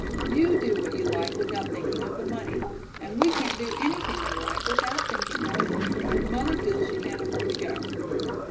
You do what you like without thinking of the money, and we can't do anything we like without thinking of it. Mother feels she can't afford to go."